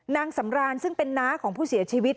นางสำรานซึ่งเป็นน้าของผู้เสียชีวิต